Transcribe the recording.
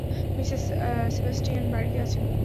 Mrs Sebastian বাড়িতে আছেন?